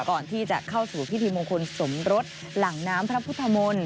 ก่อนที่จะเข้าสู่พิธีมงคลสมรสหลังน้ำพระพุทธมนตร์